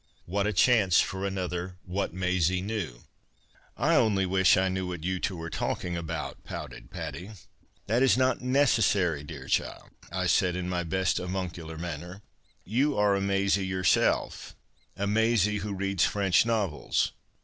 What a chance for another ' What Maisie knew ' 1 "" I only wish I knew what you two are talking about," pouted Patty. " That is not necessary, dear cliild," I said, in my best avuncular manner. " You are a Maisie your self — a Maisie who reads French novels.